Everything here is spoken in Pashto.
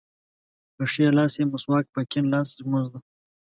په ښي لاس یې مسواک په کیڼ لاس ږمونځ ده.